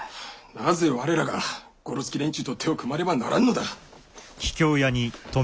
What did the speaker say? なぜ我らがゴロツキ連中と手を組まねばならんのだ！